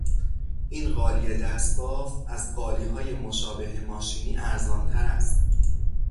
این قالی دستبافت از قالیهای مشابه ماشینی ارزانتر است.